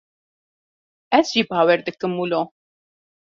Ez jî bawer dikim wilo.